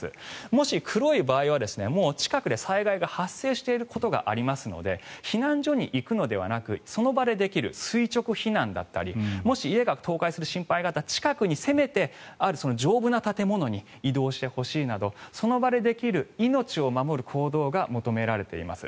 もし黒い場合は近くで災害が発生していることがありますので避難所に行くのではなくその場でできる垂直避難だったりもし家が倒壊する心配があるならせめて近くにある丈夫な建物に移動してほしいなどその場でできる命を守る行動が求められています。